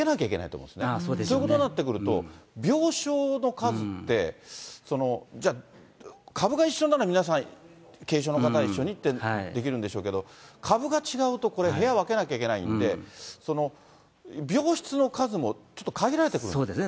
そうでしょうね。ということになってくると、病床の数って、じゃあ、株が一緒なら皆さん軽症の方、一緒にってできるんでしょうけど、株が違うとこれ、部屋分けなきゃいけないんで、病室の数もちょっと限られてくるんですね。